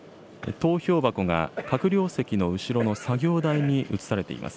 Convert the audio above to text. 投票箱が閣僚席の後ろの作業台に移されています。